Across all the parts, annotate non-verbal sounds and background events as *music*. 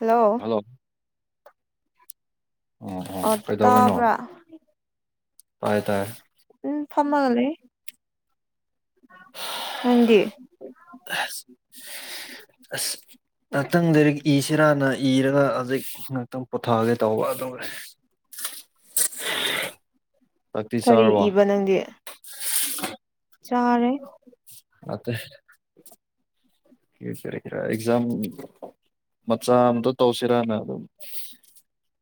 hello ꯑꯣ ꯑꯣ ꯀꯩꯗꯧꯅꯣ ꯇꯥꯏ ꯇꯥꯏ ꯎꯝ ꯐꯝꯃ ꯂꯩ ꯅꯪꯗꯤ ꯑꯁ ꯉꯥꯛꯇꯪꯗꯤ ꯏꯁꯤꯔꯅ ꯏꯔꯒ ꯍꯧꯖꯤꯛ ꯉꯍꯥꯛꯇꯪ ꯄꯑꯣꯊꯥꯒꯦ ꯇꯧꯕ ꯑꯗꯨꯒ ꯆꯥꯛꯇꯤ ꯀꯔꯤ ꯆꯥꯔꯕꯣ ꯏꯕ ꯅꯪꯗꯤ *unintelligible* ꯆꯔꯦ ꯅꯠꯇꯦ ꯁꯦꯝꯃꯤꯁꯇꯤꯔ ꯑꯦꯛꯖꯝ ꯃꯆꯥꯝꯇ ꯇꯧꯁꯤꯔꯥꯅ ꯑꯗꯨꯝ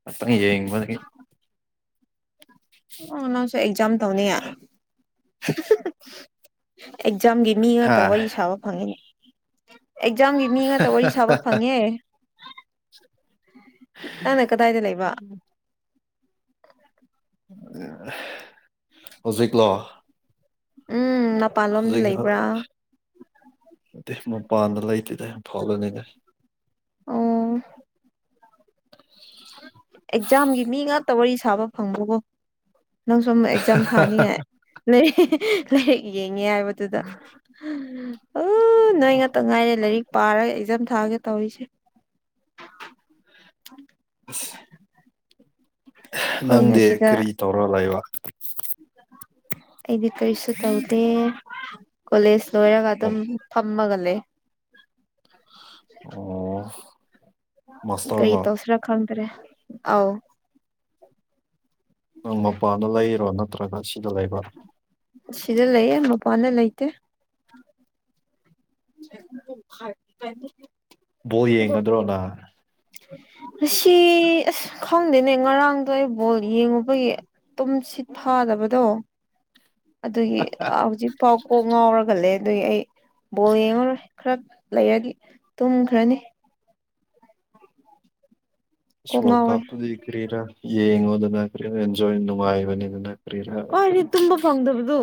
ꯑ ꯌꯦꯡꯕꯒꯤ ꯑꯣ ꯅꯪꯁꯨ ꯑꯦꯛꯖꯝ ꯇꯧꯅꯤ ꯉꯥꯏ ꯑꯦꯛꯖꯥꯝꯒꯤ ꯃꯤ ꯍꯥ ꯉꯥꯛꯇ ꯋꯥꯔꯤ ꯁꯥꯕ ꯐꯪꯉꯤ ꯑꯦꯛꯖꯥꯝꯒꯤ ꯃꯤ ꯉꯥꯛꯇ ꯋꯥꯔꯤ ꯁꯥꯕ ꯐꯪꯉꯦ ꯅꯪꯅ ꯀꯗꯥꯏꯗ ꯂꯩꯕ ꯍꯧꯖꯤꯛꯂꯣ ꯎꯝ ꯃꯄꯥꯟꯂꯣꯝꯗ ꯂꯩꯕ꯭ꯔꯥ ꯍꯧꯖꯤꯛꯗꯤ ꯃꯄꯥꯟꯗ ꯂꯩꯇꯦꯗ ꯐꯂꯣꯅꯦꯗ ꯑꯣ ꯑꯦꯛꯖꯥꯝꯒꯤ ꯃꯤ ꯉꯥꯛꯇ ꯋꯥꯔꯤ ꯁꯥꯕ ꯐꯪꯕꯀꯣ ꯅꯪ ꯁ ꯑꯃ ꯑꯦꯛꯖꯥꯝ ꯊꯥꯅꯤꯡꯉꯥꯏ ꯂꯩ ꯂꯩꯔꯛꯑꯦ ꯉꯦ ꯍꯥꯏꯕꯗꯨꯗ ꯎ ꯅꯣꯏ ꯉꯥꯛꯇ ꯉꯥꯏꯔꯦ ꯂꯥꯏꯔꯤꯛ ꯄꯥꯔꯒ ꯑꯦꯛꯖꯝ ꯊꯥꯒꯦ ꯇꯧꯔꯤꯁꯦ ꯑ ꯑꯩꯈꯣꯏꯅ ꯅꯪꯗꯤ ꯁꯤꯗ ꯀꯔꯤ ꯇꯧꯔ ꯂꯩꯕ ꯑꯩꯗꯤ ꯀꯩꯁꯨꯁꯨ ꯇꯧꯗꯦ ꯀꯣꯂꯦꯖ ꯂꯣꯏꯔꯒ ꯑꯗꯨꯝ ꯐꯝꯃꯒꯅꯦ ꯑꯣ ꯀꯩ ꯃꯥꯁꯇꯔꯂꯣ ꯇꯧ ꯁꯤꯔꯈꯪ ꯔꯦ ꯑꯥꯎ ꯅꯪ ꯃꯄꯥꯅ ꯂꯩꯔꯣ ꯅꯠꯇ꯭ꯔꯒ ꯁꯤꯗ ꯂꯩꯕ ꯁꯤꯗ ꯂꯩꯌꯦ ꯃꯄꯥꯟꯅ ꯂꯩꯇꯦ ꯥꯏ ꯕꯣ ꯌꯦꯡꯒꯗ꯭ꯔꯣꯅ ꯉ ꯑꯁ ꯈꯪꯗꯦꯅꯦ ꯉꯔꯥꯡꯗꯣ ꯑꯩ ꯕꯣꯜ ꯌꯦꯡꯉꯨꯕꯒꯤ ꯑꯗꯨꯝ ꯁꯤꯠ ꯊꯥꯗꯕ ꯗꯣ *unintelligible* ꯑꯗꯨꯒꯤ ꯍꯧꯖꯤꯛꯐꯥꯎ ꯀꯣꯛ ꯉꯥꯎꯔꯒꯂꯦ ꯑꯗꯨꯒꯤ ꯑꯩ ꯕꯣꯜ ꯌꯦꯡꯉꯔꯣꯏ ꯈꯔ ꯂꯩꯔꯗꯤ ꯇꯨꯝꯈ꯭ꯔꯅꯤ ꯀꯣꯛ ꯣ ꯉꯥꯎꯋꯦ ꯀꯥꯗꯤ ꯀꯔꯤꯔ ꯌꯦꯉꯣ ꯑꯦꯟꯖꯩꯅꯅ ꯍꯣꯏꯅꯦ ꯇꯨꯝꯕ ꯐꯪꯗꯕꯗꯨ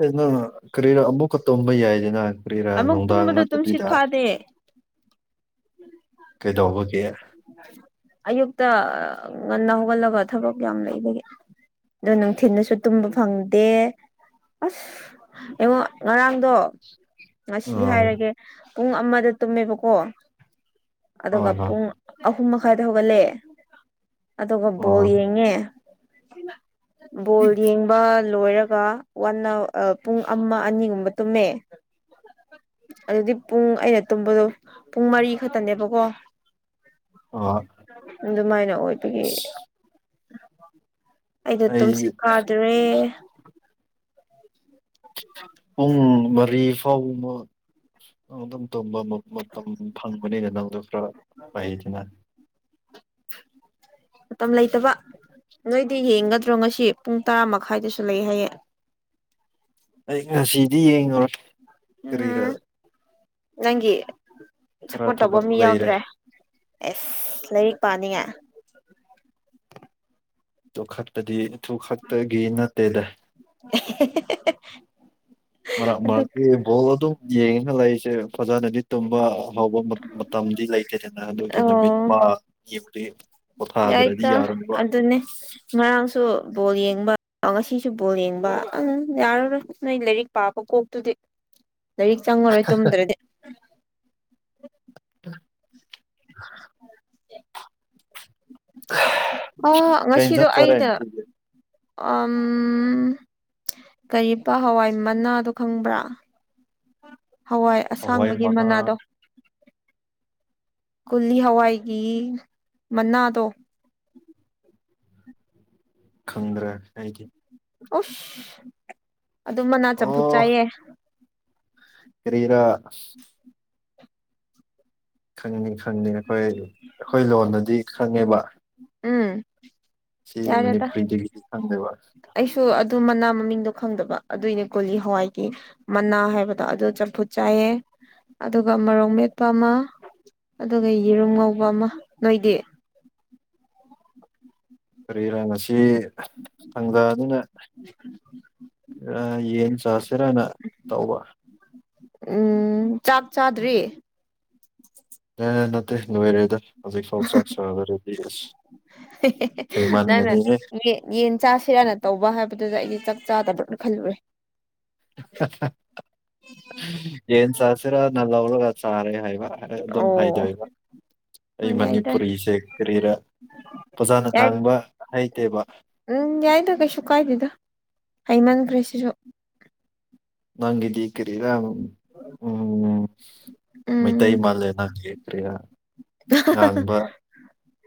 ꯑꯦ ꯅꯪ ꯀꯔꯤꯔ ꯑꯃꯨꯛꯀ ꯇꯣꯡꯝꯕ ꯌꯥꯏꯁꯤ ꯅꯍꯥꯟ ꯀ ꯀ꯭ꯔꯤꯔꯥ ꯑꯃꯨꯛ ꯅꯨꯡꯗꯥꯡ ꯇꯨꯝꯕꯗꯣ ꯇꯨꯝꯁꯤꯠ ꯅꯠꯇꯕꯤꯗ ꯐꯥꯗꯦ ꯀꯩꯗꯧꯕꯒꯦ ꯑꯌꯨꯛꯇ ꯉꯟꯅ ꯍꯧꯒꯠꯂꯒ ꯊꯕꯛ ꯌꯥꯝ ꯂꯩꯕꯗꯒꯤ ꯑꯗꯣ ꯅꯨꯡꯊꯤꯅꯁꯨ ꯇꯨꯝꯕ ꯐꯪꯗꯦ ꯑꯁ ꯏꯉꯨꯡ ꯉꯔꯥꯡꯗ ꯉꯁꯤ ꯑꯥ ꯍꯥꯏꯔꯒꯦ ꯄꯨꯡ ꯑꯃꯗ ꯇꯨꯝꯃꯦꯕꯀꯣ ꯑꯗꯨꯒ ꯍꯣꯏ ꯍꯣꯏ ꯄꯨꯡ ꯑꯍꯨꯝ ꯄꯨꯡ ꯃꯈꯥꯏꯗ ꯍꯧꯒꯠꯂꯦ ꯑꯗꯨꯒ ꯕꯣꯜ ꯑꯣ ꯌꯦꯡꯉꯦ ꯕꯣꯜ ꯌꯦꯡꯕ ꯂꯣꯏꯔ ꯑꯗꯨꯒ ꯋꯥꯟ ꯄꯨꯡ ꯑꯃ ꯑꯅꯤꯒꯨꯝꯕ ꯇꯨꯝꯃꯦ ꯑꯗꯨꯗꯤ ꯄꯨꯡ ꯑꯩꯅ ꯇꯨꯝꯕꯗꯣ ꯄꯨꯡ ꯃꯔꯤ ꯈꯛꯇꯅꯦꯕꯀꯣ ꯑꯣ ꯑꯗꯨꯃꯥꯏꯅ ꯑꯣꯏꯕꯒꯤ ꯑꯩꯗ ꯇꯨꯝꯁꯤ ꯑꯩ ꯀꯥꯗ꯭ꯔꯦ ꯎꯝ ꯃꯔꯤ ꯐꯧ ꯑꯃ ꯑꯗꯨꯝ ꯇꯝꯕ ꯃꯇꯝ ꯐꯪꯕꯅꯤꯅ ꯅꯪꯗ ꯁꯤꯅ *unintelligible* ꯃꯝ ꯂꯩꯇꯕ ꯅꯣꯏꯗꯤ ꯌꯦꯡꯒꯗ꯭ꯔꯣ ꯉꯁꯤ ꯄꯨꯡ ꯇꯔꯥ ꯃꯈꯥꯏꯗꯁꯨ ꯂꯩ ꯍꯥꯏꯌꯦ ꯑꯩ ꯉꯁꯤꯗꯤ ꯌꯦꯡꯉꯨꯔ ꯎꯝ ꯅꯪꯒꯤ ꯈꯔ ꯁꯞꯄꯣꯔꯠ ꯇꯧꯕ ꯊꯕꯛ ꯃꯤ ꯂꯩꯔꯦ ꯌꯥꯎꯗ꯭ꯔꯦ ꯑꯦꯁ ꯂꯩꯔꯤꯛ ꯄꯥꯅꯤꯡꯉ ꯇꯣꯛꯈꯠꯄꯗꯤ ꯏꯊꯨ ꯈꯛꯇꯒꯤ ꯅꯠꯇꯦꯗ *unintelligible* ꯃꯔꯛ ꯑꯗꯨ ꯃꯔꯛꯇꯤ ꯕꯣꯜ ꯑꯗꯨꯝ ꯌꯦꯡꯉꯒ ꯂꯩꯔꯤꯁꯦ ꯐꯖꯅꯗꯤ ꯇꯨꯝꯕ ꯑ ꯐꯥꯎꯕ ꯃꯇꯝꯗꯤ ꯂꯩꯇꯗꯅ ꯑꯗꯨꯒꯤ ꯅꯨꯃꯤꯠ ꯑꯃ ꯌꯦꯕꯗꯤ ꯑꯇ ꯑꯗꯨꯗꯅꯦ ꯃꯥꯁꯨ ꯕꯣꯜ ꯌꯦꯡꯕ ꯉꯁꯤꯁꯨ ꯕꯣꯜ ꯌꯦꯡꯕ ꯑ ꯌꯥꯔꯔꯣꯏ ꯅꯣꯏ ꯂꯥꯏꯔꯤꯛ ꯄꯥꯕ ꯀꯣꯛꯇꯨꯗꯤ *unintelligible* ꯂꯥꯏꯔꯤꯛ ꯆꯪꯉꯔꯣꯏ ꯇꯨꯝꯗ꯭ꯔꯗꯤ ꯎ *unintelligible* ꯑ ꯀꯩ ꯉꯁꯤꯗꯣ ꯏꯟꯖꯥꯡ ꯆꯥꯔꯦ ꯑꯩꯅ ꯉꯁꯤꯗꯤ ꯎꯝ ꯀꯔꯤꯕ ꯍꯋꯥꯏ ꯃꯅꯥꯗꯣ ꯈꯪꯕ꯭ꯔꯥ ꯍꯋꯥꯏ ꯍꯋꯥꯏ ꯑꯁꯥꯡꯕꯒꯤ ꯃꯅꯥ ꯃꯅꯥꯗꯣ ꯀꯨꯂꯤ ꯍꯋꯥꯏꯒꯤ ꯃꯅꯥꯗꯣ ꯈꯪꯗ꯭ꯔꯦ ꯑꯩꯗꯤ ꯑꯣꯐ ꯑꯗꯨꯝ ꯃꯅꯥ ꯆꯝꯐꯨꯠ ꯆꯥꯏꯌꯦ ꯀꯔꯤꯔ ꯈꯪꯅꯤ ꯈꯪꯅꯤ ꯑꯩꯈꯣꯏ ꯑꯩꯈꯣꯏ ꯂꯣꯟꯗꯗꯤ ꯈꯪꯉꯦꯕ ꯎꯝ ꯁꯤ ꯃꯅꯤ ꯌꯥꯔꯦꯗ ꯐ꯭ꯔꯤꯗꯁꯤ ꯈꯥꯟꯗꯕꯔ ꯑꯩꯁꯨ ꯑꯗꯨ ꯃꯅꯥ ꯃꯃꯤꯡꯗꯣ ꯈꯪꯗꯕ ꯑꯗꯨꯏꯅꯦ ꯀꯒꯣꯂꯤ ꯍꯋꯥꯏꯒꯤ ꯃꯅꯥ ꯍꯥꯏꯕꯗꯣ ꯑꯗꯨ ꯆꯝꯐꯨꯠ ꯆꯥꯏꯌꯦ ꯑꯗꯨꯒ ꯃꯔꯣꯛ ꯃꯦꯠꯄ ꯑꯃ ꯑꯗꯨꯒ ꯌꯦꯔꯨꯝ ꯉꯧꯕ ꯑꯃ ꯅꯣꯏꯗꯤ ꯀꯔꯤ ꯏꯔꯥꯡ ꯑꯁꯤ ꯊꯪꯖꯥꯅꯤꯅ ꯌꯦꯟ ꯆꯥꯁꯤꯔꯅ ꯇꯧꯕ ꯎꯝ ꯆꯥꯛ ꯆꯥꯗ꯭ꯔꯤ ꯅꯠꯇꯦ ꯅꯣꯏꯔꯦꯗ ꯍꯧ ꯐꯥꯎ ꯆꯁꯗꯤ ꯅꯪꯅ ꯌꯦꯟ ꯆꯥꯁꯤꯔꯅ ꯇꯧꯕ ꯍꯥꯏꯕꯗꯨꯗ ꯑꯩꯗꯤ ꯆ ꯗ ꯐꯜꯂꯨꯔꯦ ꯌꯦꯟ ꯆꯁꯤꯔꯣ ꯅꯜ ꯑꯣꯒ ꯑ ꯁꯥꯔꯦ ꯍꯥꯏꯕ ꯑꯗꯨꯝ ꯑꯣ ꯍꯥꯏꯗꯣꯏꯕ ꯑꯩ ꯍꯣꯏ ꯌꯥꯏ ꯇꯔ ꯃꯅꯤꯄꯨꯔꯤꯁꯦ ꯀꯔꯤꯔꯥ ꯐꯖꯅ ꯌꯥ ꯉꯥꯡꯕ ꯍꯩꯇꯦꯕ ꯎ ꯌꯥꯥꯏꯗꯒꯁꯨꯨ ꯀꯥꯏꯗꯗ ꯍꯩꯃꯟ ꯀ꯭ꯔꯔꯤꯁꯤꯁꯨ ꯅꯪ ꯀꯔꯤꯔ ꯎꯝ ꯃꯩꯊꯥꯏ ꯎꯝ ꯃꯥꯂꯦ ꯅꯪ ꯁꯤ *inaudible*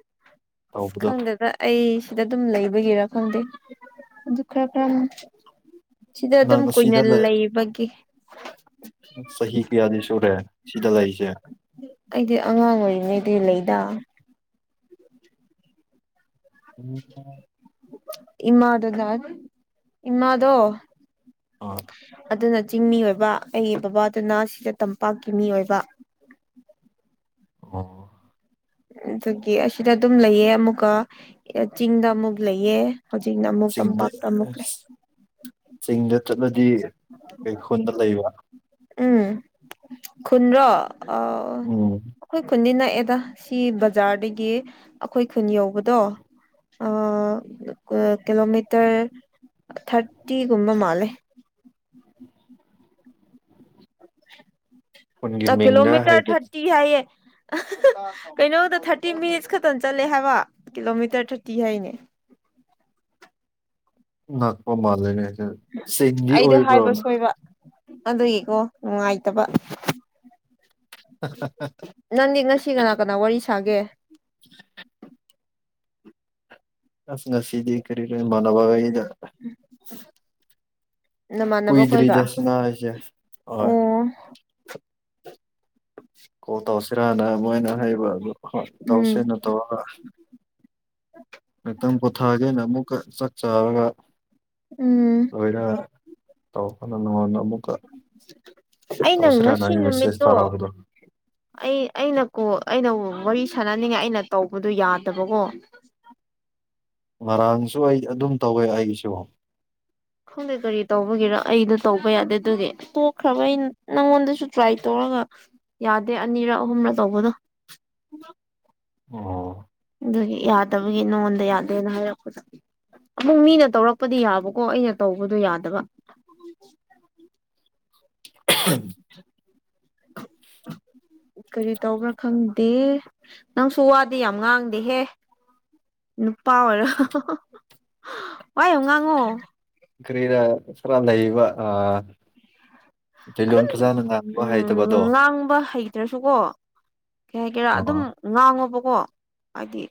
ꯑꯁ ꯇꯧꯕꯗꯣ ꯈꯪꯗꯗ ꯑꯩ ꯁꯤꯗ ꯑꯗꯨꯝ ꯂꯩꯕꯒꯤꯔꯥ ꯈꯪꯗꯦ ꯑꯗꯨ ꯈꯔ꯭ꯔ ꯁꯤꯗ ꯑꯗꯨꯝ ꯅꯪ ꯀꯨꯏꯅ ꯑꯁꯤꯗ ꯂꯩꯕꯒꯤ ꯆꯍꯤ ꯀꯌꯥꯗꯤ ꯁꯨꯔꯦ ꯁꯤꯗ ꯂꯩꯁꯦ‌ ꯑꯩꯗꯤ ꯑꯉꯥꯡ ꯑꯣꯏꯔꯤꯉꯩꯗ ꯂꯩꯗꯥ ꯎꯝ ꯏꯃ ꯑꯗꯨꯗ ꯏꯃꯗꯣ ꯑꯣ ꯑꯗꯨꯗ ꯅ ꯆꯤꯡꯃꯤ ꯑꯣꯏꯕ ꯑꯩꯒꯤ ꯕꯕꯥꯗꯨꯅ ꯁꯤꯗ ꯇꯝꯄꯥꯛꯀꯤ ꯃꯤ ꯑꯣꯏꯕ ꯑꯣ ꯑꯗꯨꯗꯒꯤ ꯑꯁꯤꯗ ꯑꯗꯨꯝ ꯂꯩꯑ ꯑꯃꯨꯛꯀ ꯆꯤꯡꯗ ꯑꯃꯨꯛ ꯂꯩꯑ ꯆꯤꯡꯗ ꯆꯤꯡꯗ ꯆꯠꯂꯗꯤ ꯀꯩ ꯈꯨꯨꯟꯗ ꯂꯩꯕ ꯎꯝ ꯈꯨꯨꯟ꯭ꯔꯣ ꯑ ꯎꯝ ꯑꯩꯣꯏ ꯈꯨꯨꯟꯗꯤ ꯅ ꯑꯦꯗꯥ ꯁꯤ ꯕꯖꯥꯔꯗꯒꯤ ꯑꯩꯈꯣꯏ ꯈꯨꯟ ꯌꯧꯕꯗꯣ ꯑ ꯀꯤꯂꯣꯃꯤꯇꯔ ꯊꯥꯔꯇꯤꯒꯨꯝꯕ ꯃꯥꯂꯦ ꯈꯨꯟꯒꯤ ꯑ ꯃꯤꯡꯒ ꯀꯂꯣꯃꯤꯇꯔ ꯍꯥꯏꯕ ꯊꯔꯇꯤ ꯍꯥꯏꯌꯦ ꯀꯩꯅꯣꯗ ꯊꯥꯔꯇꯤ ꯃꯤꯅꯤꯠꯁ ꯈꯛꯇꯅ ꯆꯠꯂꯦ ꯍꯥꯏꯕ ꯀꯤꯂꯣꯃꯤꯇꯔ ꯊꯥꯔꯇꯤ ꯍꯥꯏꯅꯦ *inaudible* ꯉꯥꯛꯄ ꯃꯥꯜꯂꯅꯦ ꯆꯦꯡꯗꯤ ꯑꯩꯗꯣ ꯍꯥꯏꯕ ꯑꯣꯏꯕ꯭ꯔꯣꯅ ꯁꯣꯏꯕ ꯑꯗꯨꯒꯤꯀꯣ ꯅꯨꯡꯉꯥꯏꯇꯕ ꯅꯪꯗꯤ ꯉꯁꯤ ꯀꯅꯥ ꯀꯅꯥ ꯋꯥꯔꯤ ꯁꯥꯒꯦ *inaudible* ꯑꯁ ꯉꯁꯤꯗꯤ ꯀꯔꯤꯔꯦ ꯃꯥꯅꯕꯕꯥꯗ ꯅꯃꯥꯟꯅꯕ ꯑꯩꯈꯣꯏꯒ ꯀꯨꯏꯗ꯭ꯔꯤꯗ ꯁꯅꯥꯁꯦ ꯍꯣꯏ ꯑꯣ ꯀꯣꯜ ꯇꯧꯁꯤꯔꯅ ꯃꯣꯏꯅ ꯍꯩꯕ ꯑꯗꯨ ꯍꯣꯏ ꯇꯧꯁꯤꯅ ꯇꯧꯔꯒ ꯎ ꯉꯇꯪ ꯄꯣꯊꯥꯒꯦꯅ ꯑꯃꯨꯛꯀ ꯆꯥꯛ ꯆꯥꯔꯒ ꯎꯝ ꯂꯣꯏꯅ ꯇꯧꯕꯅ ꯅꯉꯣꯟꯗ ꯑꯃꯨꯛꯀ ꯑꯩꯅ ꯇꯧꯁꯤꯔꯥꯅ ꯉꯁꯤ ꯑꯩ ꯃꯦꯁꯦꯖ ꯅꯨꯃꯤꯠꯇꯣ ꯊꯥꯔꯛꯕꯗꯣ ꯑꯩ ꯑꯩꯅ ꯀꯣ ꯑꯩꯅ ꯋꯥꯔꯤ ꯁꯥꯟꯅꯅꯤꯡꯉꯥꯏ ꯑꯩꯅ ꯇꯧꯕꯗꯨꯣ ꯌꯥꯗꯕꯀꯣ ꯉꯔꯥꯡꯁꯨ ꯑꯩ ꯑꯗꯨꯝ ꯇꯧꯋꯦ ꯑꯩꯁꯨ ꯈꯪꯗꯦ ꯀꯔꯤ ꯇꯧꯕꯒꯤꯔ ꯑꯩꯗ ꯇꯧꯕ ꯌꯥꯗꯦ ꯑꯗꯨꯒꯤ ꯇꯣꯛꯈ꯭ꯔꯕ ꯑꯩꯅ ꯅꯪꯉꯣꯟꯗꯁꯨ ꯇ꯭ꯔꯥꯏ ꯇꯧ ꯒ ꯌꯥꯗꯦ ꯑꯅꯤꯔ ꯑꯍꯨꯝꯔ ꯇꯧꯕꯗꯣ ꯑꯣ ꯑꯗꯨ ꯌꯥꯗꯕꯒꯤ ꯅꯉꯣꯟꯗ ꯌꯥꯗꯦꯅ ꯍꯥꯏꯔꯛꯄꯗ ꯑꯃꯨꯛ ꯃꯤꯅ ꯇꯧꯔꯛꯄꯗꯤ ꯌꯥꯕꯀꯣ ꯑꯩꯅ ꯇꯧꯕꯗꯣ ꯌꯥꯗꯕ *unintelligible* ꯀꯔꯤ ꯇꯧꯕ꯭ꯔꯥ ꯈꯪꯗꯦ ꯅꯪꯁꯨ ꯋꯥꯗꯤ ꯌꯥꯝ ꯉꯥꯡꯗꯦꯍꯦ ꯅꯨꯄꯥ ꯑꯣꯏꯔꯣ ꯋꯥꯏꯌꯨ ꯉꯥꯡꯉꯣ ꯀ꯭ꯔꯔꯤꯔ ꯐ꯭ꯔꯗꯩꯕ ꯑ ꯑꯗꯨꯝ ꯎꯝ ꯉꯥꯡꯕ ꯍꯩꯇ꯭ꯔꯁꯨꯀꯣ ꯀꯩ ꯍꯥꯏ ꯀꯦꯔꯥ ꯑꯗꯨꯝ ꯑꯣ ꯉꯥꯡꯉꯣꯕꯀꯣ ꯍꯥꯏꯗꯤ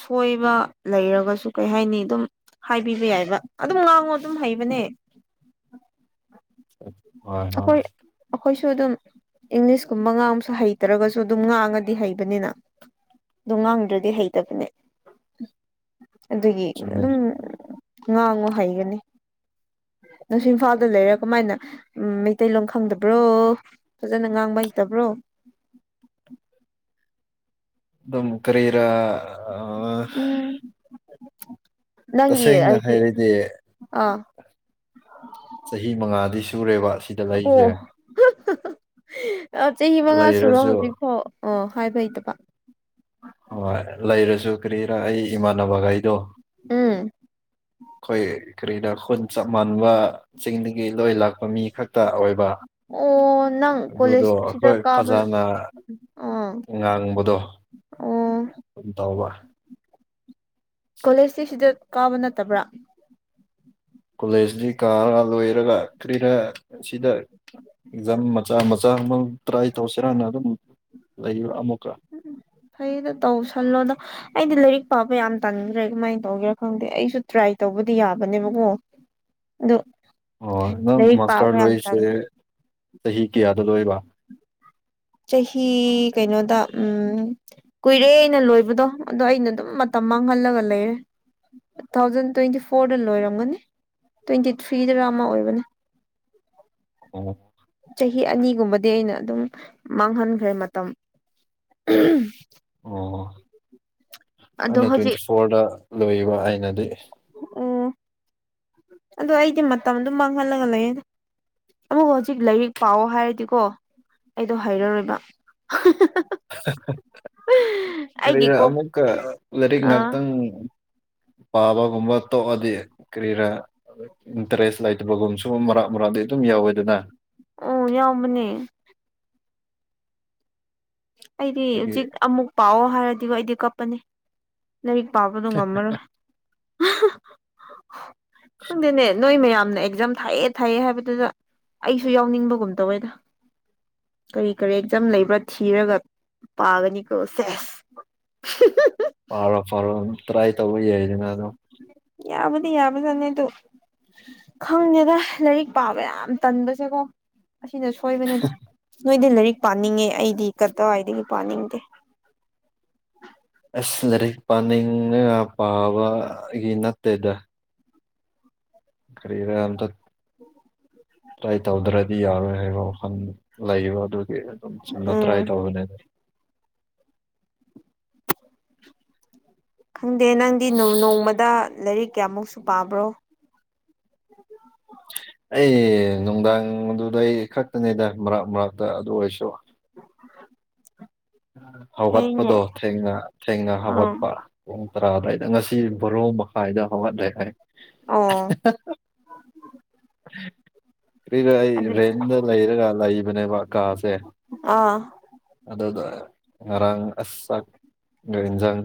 ꯁꯣꯏꯕ ꯂꯩꯔꯒꯁꯨ ꯀꯩ ꯍꯥꯏꯅꯤ ꯑꯗꯨꯝ ꯍꯥꯏꯕꯤꯕ ꯌꯥꯏꯕ ꯑꯗꯨꯝ ꯂꯥꯡꯉꯣ ꯑꯗꯨꯝ ꯍꯩꯕꯅꯦ *unintelligible* ꯍꯣꯏ ꯍꯣꯏ ꯑꯩꯈꯣꯏ ꯑꯩꯈꯣꯏꯁꯨ ꯑꯗꯨꯝ ꯏꯪꯂꯤꯁꯀꯨꯝꯕ ꯉꯥꯡꯕꯁꯨ ꯍꯩꯇ꯭ꯔꯒꯁꯨ ꯁꯨ ꯑꯗꯨꯝ ꯉꯥꯡꯉꯗꯤ ꯍꯩꯕꯅꯤꯅ ꯑꯗꯨꯝ ꯉꯥꯡꯗ꯭ꯔꯗꯤ ꯍꯩꯇꯕꯅꯦ ꯑꯗꯨꯒꯤ ꯆꯨꯝꯃꯦ ꯑꯗꯨꯝ ꯉꯥꯡꯉꯣ ꯍꯩꯒꯅꯤ *inaudible* ꯅꯪꯁꯨ ꯏꯝꯐꯥꯜꯗ ꯂꯩꯔ ꯀꯃꯥꯏꯅ ꯎꯝ ꯃꯩꯇꯩꯂꯣꯟ ꯈꯪꯗꯕ꯭ꯔꯣ ꯐꯖꯅ ꯉꯥꯡꯕ ꯍꯩꯇꯕ꯭ꯔꯣ *inaudible* *inaudible* ꯑꯗꯨꯝ ꯀꯔꯤꯔ ꯎꯝ ꯅꯪꯤ ꯇꯁꯦꯡꯅ ꯑꯩꯗꯤ ꯍꯥꯏꯔꯗꯤ ꯑꯥ ꯆꯍꯤ ꯃꯉꯥꯗꯤ ꯁꯨꯔꯦꯕ ꯁꯤꯗ ꯂꯩꯁꯦ ꯑꯣ ꯆꯍꯤ ꯃꯉꯥ ꯁꯨꯔꯣ ꯂꯩꯔꯁꯨ ꯍꯧꯖꯤꯛ ꯐꯥꯎ ꯑꯣ ꯍꯥꯏꯕꯩꯇꯕ ꯍꯣꯏ ꯂꯩꯔꯁꯨ ꯀꯔꯤꯔꯥ ꯑꯩ ꯏꯃꯥꯟꯅꯕꯈꯩꯗꯣ ꯎꯝ ꯀꯣꯏ ꯀꯔꯤꯅꯥ ꯈꯣꯟꯟ ꯆ ꯃꯥꯅꯋꯥ ꯆꯤꯡꯗꯒꯤ ꯂꯣꯏ ꯂꯥꯛꯄ ꯃꯤ ꯈꯛꯇ ꯑꯣꯏꯕ ꯑꯣ ꯅꯪ ꯑꯗꯨꯗꯣ ꯀꯣꯂꯦꯖ ꯁꯤꯗ ꯑꯩꯈꯣꯏ ꯀꯥꯕ ꯐꯖꯅ ꯑꯥ ꯉꯥꯡꯥꯡꯕꯗꯣ ꯑꯣ ꯝ ꯇꯥꯎꯕ ꯀꯣꯂꯦꯖꯇꯤ ꯁꯤꯗ ꯀꯥꯕ ꯅꯠꯇꯕ꯭ꯔꯥ ꯀꯣꯂꯦꯖꯇ ꯀꯥꯔ ꯂꯣꯏꯔꯒ ꯈ꯭ꯔꯤꯔ ꯑꯁꯤꯗ ꯑꯦꯛꯖꯥꯝ ꯃꯆꯥ ꯃꯆꯥ ꯇ꯭ꯔꯥꯏ ꯇꯧꯁꯤꯔꯥꯟꯅ ꯑꯗꯨꯝ ꯂꯩ ꯑꯃꯨꯛ ꯎꯝ ꯐꯩꯗ ꯇꯧꯁꯜꯂꯣꯗꯣ ꯑꯩꯗꯤ ꯂꯥꯏꯔꯤꯛ ꯄꯥꯕ ꯌꯥꯝ ꯇꯟꯈ꯭ꯔꯦ ꯀꯃꯥꯏꯅ ꯇꯧꯒꯦꯔꯥ ꯈꯪꯗꯦ ꯑꯩꯁꯨ ꯇ꯭ꯔꯥꯏ ꯇꯧꯕꯗꯤ ꯌꯥꯕꯅꯦꯕꯀꯣ ꯑꯗꯣ ꯑꯣ ꯅꯪ ꯃꯥꯁꯇꯔ ꯂꯣꯏꯁꯦ ꯆꯍꯤ ꯀꯌꯥꯗ ꯂꯣꯏꯕ ꯆꯍꯤ ꯀꯩꯅꯣꯗ ꯎꯝ ꯀꯨꯏꯔꯦꯩꯅ ꯂꯣꯏꯕꯗꯣ ꯑꯗꯣ ꯑꯩꯅ ꯑꯗꯨꯝ ꯃꯇꯝ ꯃꯥꯡꯍꯜꯂꯒ ꯂꯩꯔꯦ ꯇꯨ ꯊꯥꯎꯖꯟ ꯇ꯭ꯋꯦꯟꯇꯤ ꯐꯣꯔꯗ ꯂꯣꯏꯔꯝꯒꯅꯤ ꯇ꯭ꯋꯦꯟꯇꯤ ꯊ꯭ꯔꯤꯗꯒ ꯑꯃ ꯑꯣꯏꯕꯅꯦ ꯑꯣ ꯆꯍꯤ ꯑꯅꯤꯒꯨꯝꯕꯗꯤ ꯑꯩꯅ ꯑꯗꯨꯝ ꯃꯥꯡꯍꯟꯈ꯭ꯔꯦ ꯃꯇꯝ ꯑꯣ ꯑꯗꯣ ꯑꯩꯅ ꯇ꯭ꯋꯦꯟꯇꯤ ꯍꯧꯖꯤꯛ ꯐꯣꯔꯗ ꯂꯣꯏꯕ ꯑꯩꯅꯗꯤ ꯑꯗꯨ ꯑꯩꯗꯤ ꯃꯇꯝ ꯑꯗꯨꯝ ꯃꯥꯡꯍꯜꯂꯒ ꯂꯩꯌꯦ ꯑꯃꯕꯨ ꯍꯧꯖꯤꯛ ꯂꯥꯏꯔꯤꯛ ꯄꯥꯎꯑꯣ ꯍꯥꯏꯔꯗꯤꯀꯣ ꯑꯩꯗꯣ ꯍꯩꯔꯔꯣꯏꯕ ꯑꯩꯒꯤ ꯀꯔꯤꯥ ꯀꯣꯛ ꯑꯃꯨꯛꯀ ꯂꯥꯏꯔꯤꯛ ꯑ ꯉꯥꯛꯇꯪ ꯄꯥꯕꯒꯨꯝꯕ ꯇꯣꯛꯑꯗꯤ ꯀꯔꯤꯔꯥ ꯏꯟꯇꯔꯦꯁ ꯂꯩꯇꯕꯒꯨꯝꯕꯁꯨ ꯃꯔꯛ ꯃꯔꯛ ꯑꯗꯨꯝ ꯌꯥꯎꯋꯦ ꯑꯗꯨꯅ ꯑꯣ ꯌꯥꯝꯎꯕꯅꯦ ꯑꯩꯗꯤ ꯑꯗꯨꯒꯤ ꯍꯧꯖꯤꯛ ꯑꯃꯨꯛ ꯄꯥꯛꯑꯣ ꯍꯥꯏꯔꯗꯤꯒꯣ ꯑꯩꯗꯤ ꯀꯞꯄꯅꯤ ꯂꯥꯏꯔꯤꯛ ꯄꯥꯕꯗꯣ ꯉꯝꯃꯔꯣꯏ *unintelligible* ꯑꯩꯈꯣꯏꯗꯅꯦ ꯅꯣꯏ ꯃꯌꯥꯝꯅ ꯑꯦꯛꯖꯥꯝ ꯊꯥꯏꯌꯦ ꯊꯥꯏꯑ ꯍꯥꯏꯕꯗꯨꯗ ꯑꯩꯁꯨ ꯌꯥꯎꯅꯤꯡꯕꯒꯨꯝ ꯇꯧꯋꯦꯗ ꯀꯔꯤ ꯀꯔꯤ ꯑꯦꯛꯖꯝ ꯂꯩꯕ꯭ꯔꯥꯗꯤ ꯊꯤꯔꯒ ꯄꯥꯒꯅꯤꯀꯣ ꯁꯦꯁ ꯐꯔꯣ ꯐꯔꯣ ꯑꯗꯨꯝ ꯇ꯭ꯔꯥꯏ ꯇꯧꯕ ꯌꯥꯏꯗꯅ ꯑꯝ ꯌꯥꯕꯗꯤ ꯌꯥꯕꯗꯤꯅꯦꯩꯗꯨ ꯈꯪꯉꯦꯗ ꯂꯥꯏꯔꯤꯛ ꯄꯥꯕ ꯌꯥꯝ ꯇꯟꯕꯁꯦꯀꯣ ꯑꯁꯤꯅ ꯁꯣꯏꯕꯅꯤꯅ ꯅꯣꯏꯗꯤ ꯂꯥꯏꯔꯤꯛ ꯄꯥꯅꯤꯡꯉꯦ ꯑꯩꯗꯤ ꯀꯗꯥꯋꯥꯏꯗꯒꯤ ꯄꯥꯅꯤꯡꯗꯦ ꯑꯁ ꯂꯥꯏꯔꯤꯛ ꯄꯥꯅꯤꯡꯉ ꯄꯥꯕꯒꯤ ꯅꯠꯇꯦꯗ ꯈꯔꯤꯗꯦ ꯑꯇ ꯇ꯭ꯔꯥꯏ ꯇꯧꯗ꯭ꯔꯗꯤ ꯌꯥꯔꯣꯏ ꯍꯥꯏꯕ ꯋꯥꯈꯜ ꯂꯩꯕ ꯑꯗꯨꯒꯤ ꯁꯨꯝꯃ ꯍꯥ ꯎꯝ ꯍꯥꯏꯥꯏ ꯇ ꯍꯕꯅꯦꯦ ꯈꯪꯗꯦ ꯅꯪꯗꯤ ꯅꯣꯡꯃꯗ ꯂꯥꯏꯔꯤꯛ ꯀꯌꯥꯃꯨꯛꯁꯨ ꯄꯥꯕ꯭ꯔꯣ ꯑꯩ ꯅꯨꯡꯗꯥꯡ ꯑꯗꯨꯗ ꯑꯩ ꯈꯛꯇꯅꯤꯗ ꯃꯔꯛ ꯃꯔꯛꯇ ꯑꯗꯨ ꯑꯣꯏꯔꯁꯨ ꯎ ꯍꯧꯒꯠꯄꯗꯣ ꯊꯦꯡꯅ ꯊꯦꯡꯅ ꯑꯥ ꯍꯧꯒꯠꯄ ꯄꯨꯡ ꯇꯔꯥ ꯑꯗꯋꯥꯏꯗ ꯉꯁꯤ ꯕꯣꯔꯣꯡ ꯃꯈꯥꯏꯗ ꯍꯧꯒꯠꯂꯦ ꯍꯥꯏ ꯑꯣ ꯀ ꯑꯩ ꯑꯗꯨ ꯔꯦꯟꯗ ꯂꯩꯔꯒ ꯂꯩꯕꯅꯦꯕ ꯀꯥꯁꯦ ꯑꯥ ꯉꯔꯥꯡ ꯏꯟꯖꯥꯡ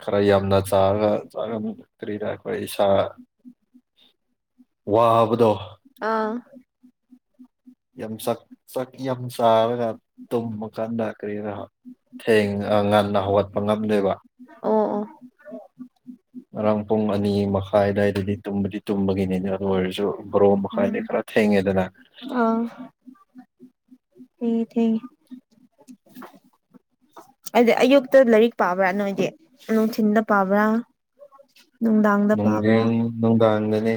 ꯈꯔ ꯌꯥꯝꯅ ꯆꯥꯒ ꯆꯥꯝꯛꯇ꯭ꯔꯤꯅ ꯑꯩꯈꯣꯏ ꯏꯁꯥ ꯋꯥꯕꯗꯣ ꯑꯥ ꯌꯥꯝ ꯁꯛꯛ ꯌꯥꯝ ꯁꯥꯔꯒ ꯇꯝ ꯃ ꯀꯥꯟꯗ ꯀ꯭ꯔꯔꯤꯔ ꯊꯦꯡ ꯉꯟꯅ ꯍꯧꯒꯠꯄ ꯉꯝꯗꯦꯕ ꯑꯣ ꯑꯣ ꯉꯔꯥꯡ ꯄꯨꯡ ꯑꯅꯤ ꯃꯈꯥꯏ ꯑ ꯑꯗꯨꯋꯥꯏꯗꯗꯤ ꯇꯨꯝꯕꯗꯤ ꯇꯨꯝꯕꯒꯤꯅꯤꯅꯦ ꯑꯗꯨ ꯑꯣꯏꯔꯁꯨ ꯕꯣꯔꯣ ꯎꯝ ꯃꯈꯥꯏꯗꯩ ꯈꯔ ꯊꯦꯡꯉꯦ ꯗꯅ ꯑꯥ ꯍ ꯊ ꯍꯥꯏꯗꯤ ꯑꯌꯨꯛꯇ ꯂꯥꯏꯔꯤꯛ ꯄꯥꯕ꯭ꯔꯥ ꯅꯣꯏꯗꯤ ꯅꯨꯡꯊꯤꯤꯟꯗ ꯄꯥꯕ꯭ꯔꯥ ꯅꯨꯡꯗꯥꯡꯗ ꯄꯥꯕ꯭ꯔꯥ ꯅꯨꯡꯖꯤꯡ ꯅꯨꯡꯗꯥꯡꯗꯅꯦ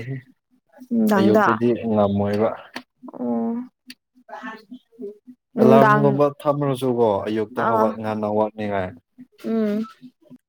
ꯅꯨꯡꯗꯥꯡꯗ ꯑꯌꯨꯛꯇꯗꯤ ꯉꯝꯃꯣꯏꯕ ꯑꯣ ꯅꯨꯡꯗꯥꯡ ꯑꯦꯂꯥꯔꯝꯒꯨꯝꯕ ꯊꯝꯃꯨꯔꯁꯨꯕꯣ ꯑꯌꯨꯛꯇ ꯑꯥ ꯍꯧꯒꯠꯅꯤꯡꯉꯥꯟꯅ ꯋꯥꯠꯅꯤꯡꯉꯥꯏ ꯎꯝ